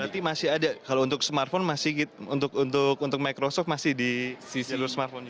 berarti masih ada kalau untuk smartphone masih untuk microsoft masih di jalur smartphone